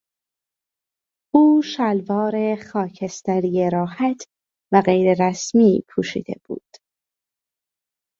او شلوار خاکستری راحت و غیررسمی پوشیده بود.